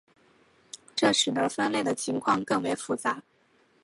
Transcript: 这使得分类的情况更为复杂。